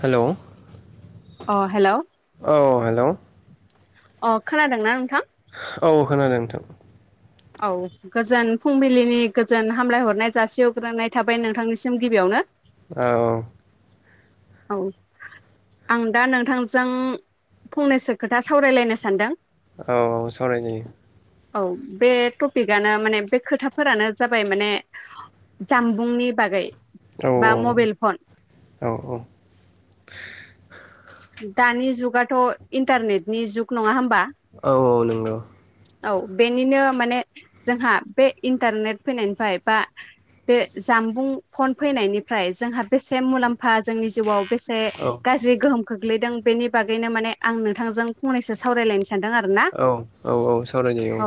Hello अ hello [inaudible] औ hello अ खोनादोंना नोंथां? औ खोनादों नोंथां। औ गोजोन फुंबिलिनि गोजोन हामलायहरनाय जासिहरग्रोनाय थाबाय नोंथांनिसिम गिबियावनो। औ औ आं दा नोंथांजों फंनैसो खोथा सावरायलायनो सानदों। औ औ सावराय जायो। औ बे टपिकआनो माने बे खोथाफोरानो जाबाय माने जामबुंनि बागै। बा औ-औ मबाइल फन औ-औ। दानि जुगाथ' इन्टारनेटनि जुग नङा होमबा? औ-औ नोंगौ। औ बेनिनो माने जोंहा बे इन्टारनेट फैनायनिफ्राय बा बे जामबुं फन फैनायनिफ्राय जोंहा बेसे मुलाम बा जोंनि जिउआव बेसे औ गाज्रि गोहोम। [unintelligible] लैदों बेनि बागैनो माने आं नोंथांजों फंनैसो सावरायलायनोसै। औ औ-औ सावरायज्लायो औ।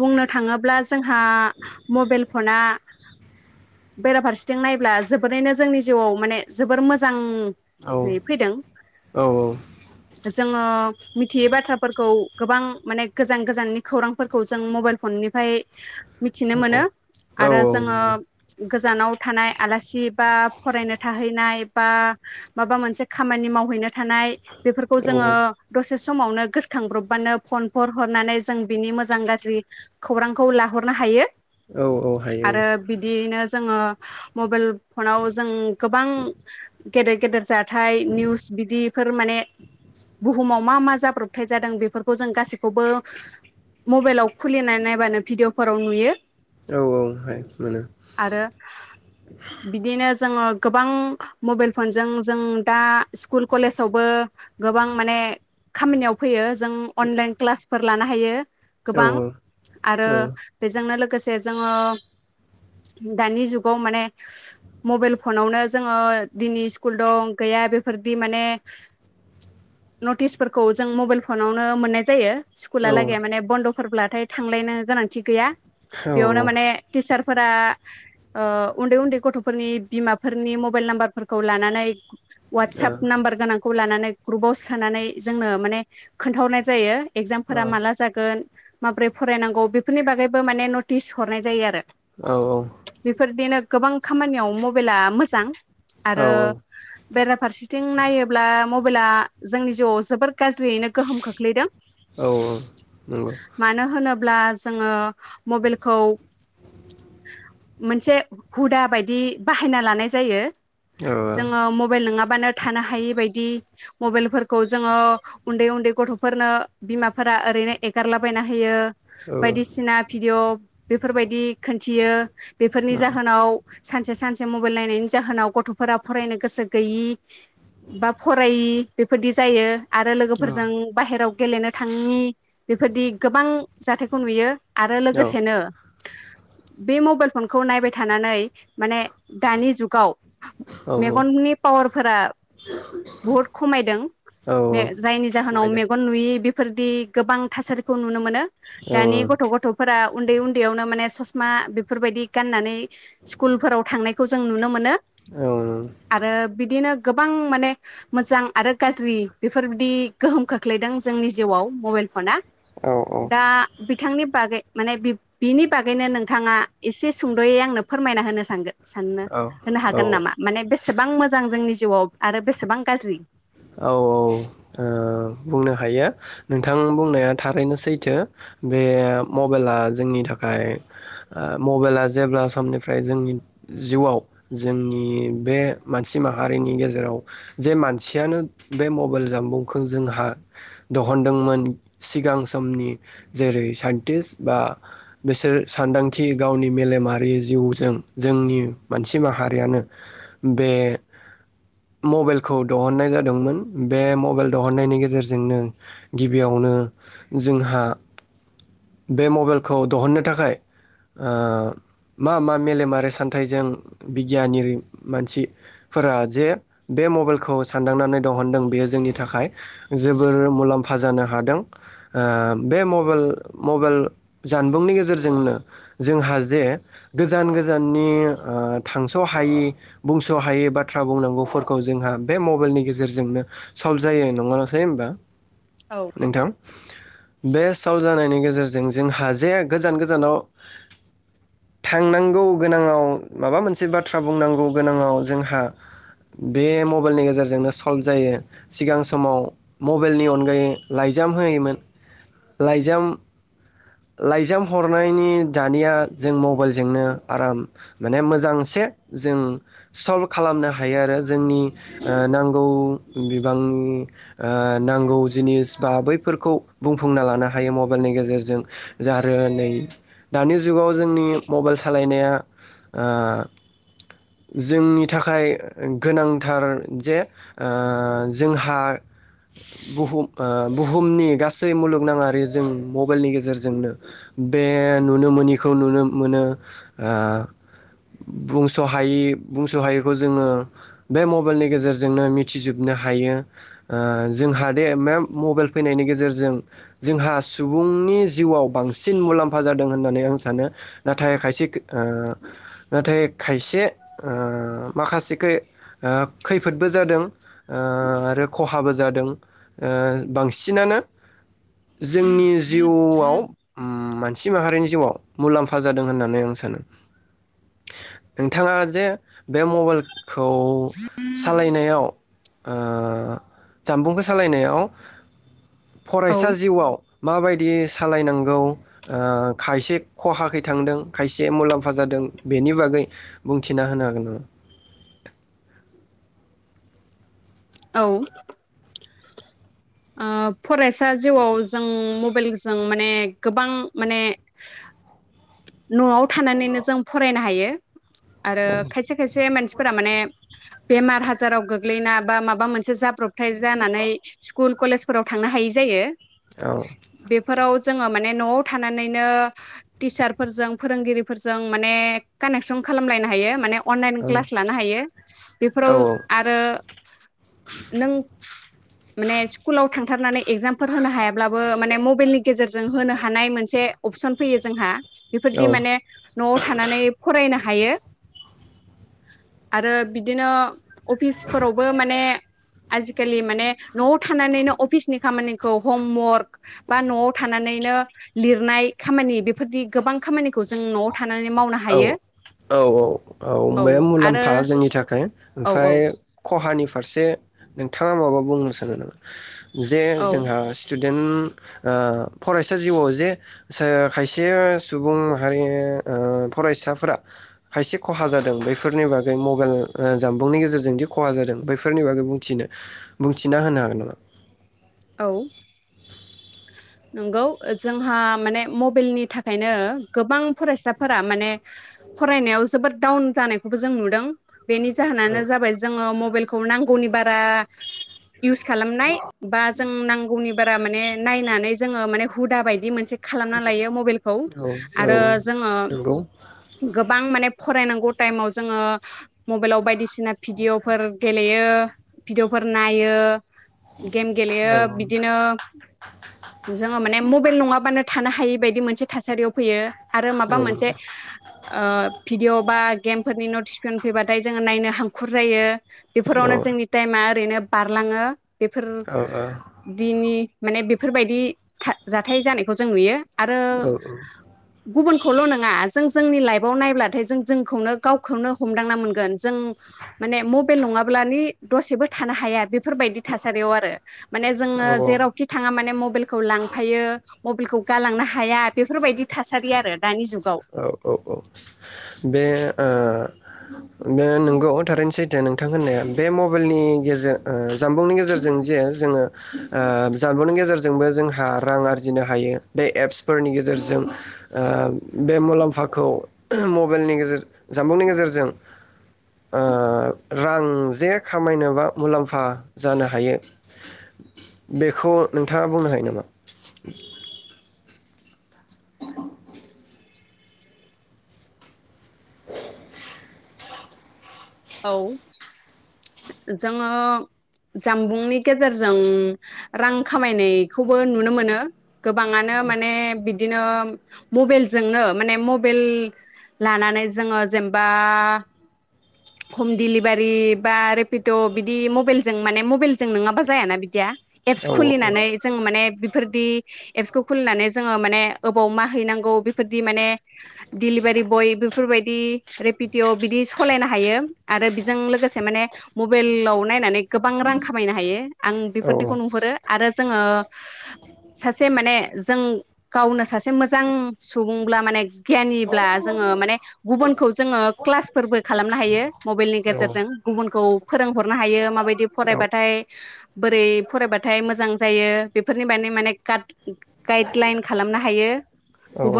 बुंनो थाङोब्ला। जोंहा मबेल फना बेराफारसेथिं नायब्ला जोबोरैनो जोंनि जिउआव माने जोबोर मोजां। औ। नै फैदों औ [unintelligible] जोंङो मिथियै बाथ्राफोरखौ गोबां माने गोजान गोजाननि खौरांफोरखौ जों मबाइल फननिफ्राय मिथिनो मोनो, आरो औ जोंङो गोजानाव थानाय आलासि बा फरायनो थाहैनाय बा माबा मोनसे खामानि मावहैनो थानाय बेफोरखौ औ दसे बे समावनो गोसोखांब्रबबानो फन फर हरनानै जों बिनि मोजां गाज्रि खौरांखौ लाहरनो हायो। औ औ हायो आरो बिदियैनो जोंङो मबेल फनाव जों गोबां गेदेर गदेर ओमफ्राय निउस बिदि फोर माने बुहुम आव मा मा जाब्रबथाय जादों बेफोरखौ जों गासैखौबो, मबाइलाव खुलिनानै नायबानो भिडिअफोराव नुयो। औ औ हायो मोनो। जोंओ गोबां मबाइल फनजों दा स्कुल कलेजावबो गोबां माने खामानियाव फैयो। जों अनलाइन क्लास लानो हायो। औ गोबां आरो औ बेजोंनो लोगोसे जोंङो दानि जुगाव माने मबाइल फनावनो जोंङो दिनै स्कुल दं गैया बेफोरदि माने नटिसफोरखौ जों मबाइल फनावनो मोननाय जायो। स्कुला औ लागे माने बन्दफोरब्लाथाय थांलायनो गोनांथि गैया बेयावनो माने तिसार फोर उन्दै उन्दै गथफोरनि बिमाफोरनि मबाइल नाम्बारफोरखौ लानानै वाटसाप नाम्बार गोनांखौ लानानै ग्रुपाव सोनानै जोंनो माने खोन्थाहरनाय जायो। एगजामफोरा माला जागोन। माबोरै फरायनांगौ बेफोरनि बागैबो माने नटिस हरनाय जायो आरो। बेफोरदिनो गोबां खामानियाव मबाइला मोजां। औ आरो फारसेथिं नायोब्ला मबाइला जोंनि जिउआव जोबद गाज्रियैनो गोहोम खोख्लैदों औ नंगौ मानो होनोब्ला जोंङो मबाइलखौ मोनसे हुदा बायदि बाहायना लानाय जायो। औ औ जोंङो मबे नंङाबानो थानो हायि बायदि मबाइलफोरखौ जोंङो उन्दै -उन्दै गथफोरनो बिमाफोरा ओरैनो एगारलाबायना होयो औ बायदिसिना भिडिअ बेफोरबायदि खोन्थियो बेफोरनि जाहोनाव सानसे -सानसे मबाइल नायनायनि जाहोनाव गथफोरा फरायनो गोसो गैयि बा फरायि बेफोरदि जायो आरो लोगोफोरजों बाहेरायाव गेलेनो थांई बेफोरदि गोबां जाथायखौ नुयो। आरो लोगोसेनो बे मबाइल फनखौ नायबाय थानानै माने दानि जुगाव औ मेगननि पावारफोरा बहुद खमायदों बे औ जायनि जाहोनाव खमायदों मेगन नुयै बेफोरदि गोबां थासारिखौ नुनो मोनो। औ दानि गथ- गथ फोरा उन्दै -उन्दैयावनो माने ससमा बेफोरबायदि गाननानै स्कुलफोराव थांनाय खौ जों नुनो मोनो। आरो औ। बिदिनो गोबां माने मोजां आरो गाज्रि बेफोरबायदि गोहोम खोख्लैदों जोंनि जिउआव मबाइल फना। औ दा बि बिथांनि बागै माने बिनि बागैनो नोंथाङा एसे सुंद'यै आंनो फोरमायना होनो सानगो साननो होनो औ हागोन नामा माने बेसेबां मोजां जों जोंनि जिउआव आरो बेसेबां गाज्रि औ औ बुंनो हायो नोंथां बुंनाया थारैनो सैथो बे मबाइला जोंनि थाखाय मबाइला जेब्ला समनिफ्राय जोंनि जिउआव जोंनि बे मानसि माहारिनि गेजेराव जे मानसि यानो बे मबाइल जामबुंखौ जोंहा दहनदोंमोन सिगां समनि जेरै साइन्टिस्ट बा बिसोर सान्दांथि गावनि मेलेमारि जिउजों जोंनि मानसि माहारियानो बे मबाइलखौ दहननाय जादोंमोन बे मबाइल दहननायनि गेजेरजोंनो गिबियावनो जोंहा बे मबाइलखौ दहननो थाखाय मा मा मेलेमारि सान्थाइजों बिगियानि मानसिफोरा जे बे मबेलखौ सानदांनानै दहनदों बेयो जोंनि थाखाय जोबोर मुलाम्फा जानो हादों बे मबेइल मबेइल जानबुंनि गेजेरजोंनो जोंहा जे गोजान गोजाननि ओ थांस'हायै बुंस'हायै बाथ्रा बुंनांगौफोरखौ जोंहा बे मबेइलनि गेजेरजोंनो सल्भ जायो नङा नसै होमबा। औ नोंथां। बे सल जानायनि गेजेरजों जोंहा जे गोजान गोजानाव थांनांगौ गोनाङाव माबा मोनसे बाथ्रा बुंनांगौ गोनाङाव जोंहा बे मबेइलनि गेजेरजोंनो सल्भ जायो सिगां समाव मबेइलनि अनगायै लाइजाम होयोमोन। लाइजाम लाइजाम हरनायनि दानिया जों मबाइलजोंनो आराम माने मोजांसे जों सल्भ खालामनो हायो आरो जोंनि ओ नांगौ बिबांनि ओ नांगौ जिनिस बा बैफोरखौ बुंफुंना लानो हायो। हायो मबेइलनि गेजेरजों आरो नै दानि जुगाव जोंनि मबाइल सालायनाया ओ जोंनि थाखाय गोनांथार जे ओ जोंहा बुहुम बुहुमनि गासै मुलुगनाङारि जों मबेइलनि गेजेरजोंनो बे नुनो मोनिखौ नुनो मोनो ओ बुंस'हायि बुंस'हायैखौ जोङो बे मबेइलनि गेजेरजोंनो मिथिजोबनो हायो ओ जोंहा दे बे मबेइल फैनायनि गेजेरजों जोंहा सुबुंनि जिउआव बांसिन मुलाम्फा जादों होननानै आं सानो नाथाय खायसे ओ नाथाय खायसे ओ माखासेखौ खैफोदबो जादों आरो खहाबो जादों ओ बांसिनानो जोंनि जिउआव उम सि माहारिनि जिउआव मुलाम्फा जादों होननानै आं सानो नोंथाङा जे बे मबाइल खौ सालाय नायनाय ओ जानबुंखौ सालायनायाव औ फरायसा जिउआव माबायदि सालायनांगौ ओ खायसे खहाखै थांदों खायसे मुलाम्फा जादों बेनि बागै बुंथिना होनो हागोन नामा? औ ओ फराय फरायसा जिउआव जों म मबेइल जों माने गोबां माने न'आव थानानैनो जों फरायनो हायो। आरो खायसे खायसे मानसिफोरा माने बेमार आजाराव गोग्लैना बा माब माबा मोनसे जाब्रब थाय जानानै स्कुल कलेजफोराव थांनो हायि जायो। औ बेफोराव जोङो माने न'आव थानानैनो टिचारफोरजों फोरोंगिरिफोरजों माने कानेक्सन खालामलायनो हायो माने अनलाइन औ क्लास लानो हायो बेफोराव औ आरो नों माने स्कुलाव थांथारनानै एगजामफोर होनो हायाब्लाबो माने मबेइलनि गेजेरजों होनो हानाय मोनसे अपसन फैयो जोंहा औ बेफोरदि माने न'आव थानानै फरायनो हा हायो आरो बिदिनो अफिसफोरावबो माने [inaudible] आजिखालि माने न'आव थानानैनो अफिसनि खामानिखौ हमवर्क बा न'आव थानानैनो लिरनाय खामानि बेफोरदि गोबां खामानिखौ जों न'आव थानानै मावनो औ हायो औ औ औ बेयो मुलाम्फा जोंनि थाखाय औ ओमफ्राय औ खहानि फारसे नोंथाङा माबा बुंनो सानो नामा? जे औ जोंहा स्टु डेन्ट ओ फरायसा जिउआव जे खायसे सुबुं माहारि ओ फरायसाफोरा खायसे खहा जादों बैफोरनि बागै मबेइल ओ जामबुंनि गेजेरजों दि खहा जादों बैफोरनि बागै बुंथिनो बुंथिना होनो हागोन नामा? औ नंगौ जोंहा माने मबेइलनि थाखायनो गोबां फरायसाफोरा माने फरायनायाव जोबोद डाउन जानायखौबो जों नुदों। बेनि औ जाहोनानो जाबाय जोङो मब बेलखौ नांगौनि बारा इउस खालामनाय बा गौनि बारा माने नायनानै जोङो माने हुदा बायदि मोनसे खालामना लायो मबेलखौ औ आरो औ जोङो नंगौ औ गोबां माने फरायनांगौ टाइमाव जोङो मबेलाव बायदिसि ना भिदिअफोर गेलेयो भिदिअ फोर नायो। गेम लेयो बिदिनो जोंङो माने मबेल नंआबानो थानो हायि बायदि मोनसे थासारियाव फैयो। आरो माबा मोनसे ओ भिडिअ बा गेम फोरनि नटिस पेन फैबाथाय जोङो नायनो हांखुर जायो। बेफोरावनो जोंनि टाइमा ओरैनो बारलाङो बेफोर दिनि माने बेफोरबायदि था जाथाय जानायखौ जों नुयो। आरो गुबुनखोल' नोङा जों जोंनि लाइभआव नायब्लाथाय जों जोंखौनो गावखौनो हमदांना मोनगोन। जों माने म बेल नङाब्लानि दसेबो थानो हाया बेफोरबायदि थासारियाव माने जोङो औ जेरावखि थाङा माने मबेलखौ लांफायो। मबेलखौ गालांनो हाया बेफोरबायदि थासारि आरो। दानि जुगाव औ औ औ बे ओ बे नोंगौ थारैनो सैथो नोंथां होननाया बे मबेलनि गेजेर ओ जानबुंनि गेजेरजों जे जोङो ओ जानबुंनि गेजेरजोंबो जोंहा रां आरजिनो हायो बे एप्सफोरनि गेजेरजों ओ बे मुलाम्फाखौ मबेलनि गेजेर जामबुंनि गेजेरजों ओ रां जे खामायनोबा मुलाम्फा जानो हायो बेखौ नोंथाङा बुंनो हायो नामा? औ जोङो जामबुंनि गेजेरजों रां खामायनायखौबो नुनो मोनो गोबाङानो माने बिदिनो मबेलजोंनो माने मबेल लानानै जोङो जेनबा हम दिलिबारि बा रेपिद' बिदि मबेलजों माने मबेलजों नङाबा जायाना बिदिया। एप्स औ खुलिनानै जों माने बेफोरदि एप्सखौ खुुलिनानै जोङो माने ओबाव मा हैनांगौ बेफोरदि माने दिलिबारि बय फोरबायदि रेपिडअ बिदि सलायना हायो आरो बेजों लोगोसे माने मबेलाव नायनानै गोबां रां खामायनो हायो आं औ बेफोरदिखौ नुहुरो आरो जोङो सासे माने जों गावनो सासे मोजां सुबुंब्ला माने गियानिब्ला जोङो माने गुबुनखौ जोङो क्लासफोरबो। खालामनो हायो मबाइलनि गेजेरजों गुबुनखौ फोरोंहरनो हायो माबायदि औ फरायबाथाय। बोरै फरायबाथाय मोजां जायो बेफोरनि माने माने गाइडलाइन खालामनो हायो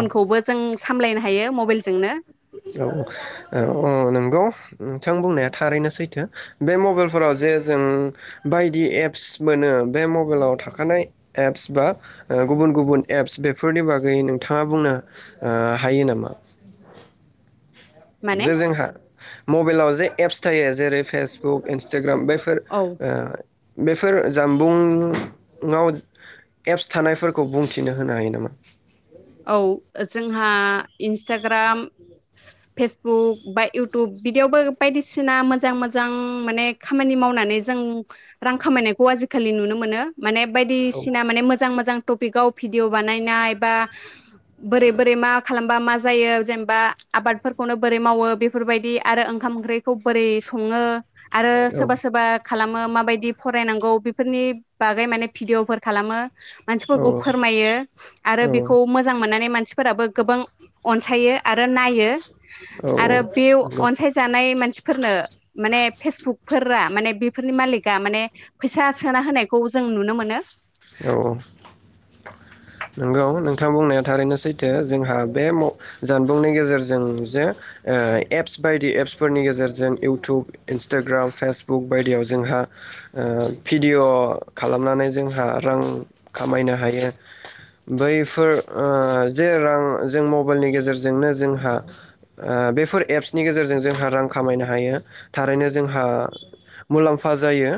औ जों सामलाय हायो मबाइलजोंनो। औ औ औ नंगौ नोंथां बुंनाया थारैनो सैथो बे मबाइलफोराव जे जों बायदि एप्स मोनो बे मबाइलाव थाखानाय एप्स बा ओ गुबुन गुबुन एप्स बेफोरनि बागै नोंथाङा बुंनो ओ हायो नामा? माने जे जोंहा मबाइलाव जे एप्स थायो जेरै फेसबुक इनसटा ग्राम बेफोर औ ओ बेफोर जामबुंआव एप्स थानायफोरखौ बुंथिनो होनो हायो नामा? औ जोंहा इन्स्टाग्राम फेसबुक बा इउटुब बिदियावबो बायदिसिना मोजां मोजां माने खामानि मावनानै जों रां खामायनायखौ आजिखालि नुनो मोनो। माने औ बायदिसिना माने मोजां मोजां। टपिकआव भिडिय बानायनाय बा। बोरै बोरै मा खालामबा मा जायो जेनेबा आबादफोरखौनो बोरै मावो बेफोरबायदि आरो ओंखाम ओंख्रिखौ बोरै संङो। आरो औ सोरबा सोरबा खालामो माबायदि फरायनांगौ बेफोरनि बागै माने भिडिअ'फोर खालामो। औ मानसिफोरखौ फोरमायो आरो बे मोजां मोननानै मानसि फोराबो गोबां अनसायो। आरो नायो। औ आरो बेव नंगौ अनसायजानाय मानसि फोरनो माने फेसबुक फोरा माने बेफोरनि मालिकआ माने फैसा सोना होनायखौ जों नुनो मोनो। औ औ। नंगौ नोंथां बुंनाया थारैनो सैथो जोंहा बे म जानबुंनि गेजेरजों जे ओ एप्स बायदि एप्सफोरनि गेजेरजों इउटुब इन्सटाग्राम फेसबुक बायदियाव जोंहा ओ भिडिय' खालामनानै जोंहा रां खामायनो हायो बैफोर ओ जे रां जों मबाइलनि गेजेरजोंनो जोंहा ओ बेफोर एप्सनि गेजेरजों जोंहा रां खामायनो हायो थारैनो जोंहा मुलाम्फा जायो।